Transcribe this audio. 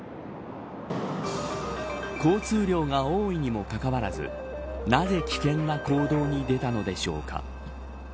交通量が多いにもかかわらずなぜ危険な行動に出たのでしょうか。